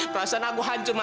perasaan aku hancur ma